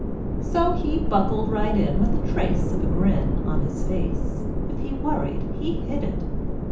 So he buckled right in with the trace of a grin On his face. If he worried he hid it.